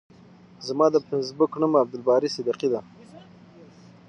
زما د فیسبوک نوم عبدالباری صدیقی ده.